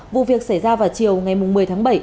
vụ việc xảy ra vào chiều ngày một mươi tháng bảy